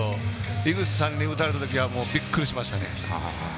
井口さんに打たれた時はびっくりしましたね。